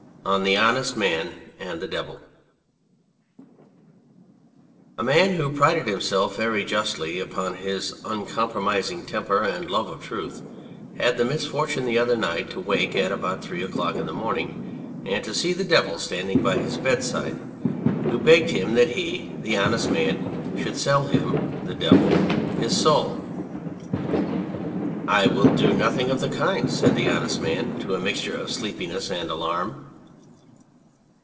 195 o 2 THE HONEST MAN AND THE DEVIL A MAN who prided himself very justly upon his uncompromising temper and love of truth had the misfortune the other night to wake at about three o'clock in the morning and to see the Devil standing by his bedside, who begged him that he (the Honest Man) should sell him (the Devil) his soul. " I will do nothing of the kind/' said the Honest Man in a mixture of sleepiness and alarm.